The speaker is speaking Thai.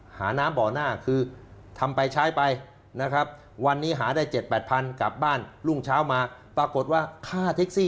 หาน้ำบ่อหน้าคือทำไปใช้ไปนะครับวันนี้หาได้๗๘๐๐กลับบ้านรุ่งเช้ามาปรากฏว่าค่าเท็กซี่